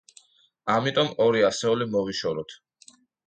ამიტომ ორი ასეული მოვიშოროთ.